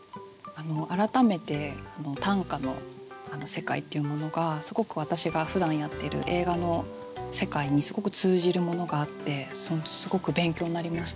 改めて短歌の世界っていうものがすごく私がふだんやってる映画の世界にすごく通じるものがあってすごく勉強になりました。